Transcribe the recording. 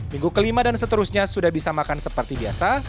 minggu kelima dan seterusnya sudah bisa makan seperti biasa